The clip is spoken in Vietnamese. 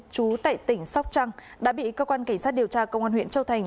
chú tại tỉnh sóc trăng đã bị cơ quan cảnh sát điều tra công an huyện châu thành